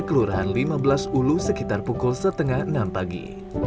kelurahan lima belas ulu sekitar pukul setengah enam pagi